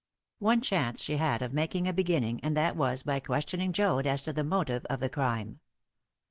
One chance she had of making a beginning, and that was by questioning Joad as to the motive of the crime.